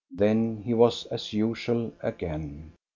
Then he was as usual again.